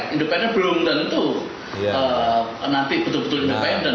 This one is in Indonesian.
independen belum tentu nanti betul betul independen